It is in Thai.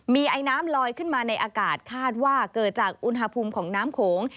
มีไอน้ำลอยขึ้นมาในอากาศคาดว่าเกิดจากอุณหภูมิของน้ำโขง